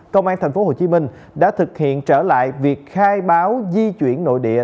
công an tp hcm đã thực hiện trở lại việc khai báo di chuyển nội địa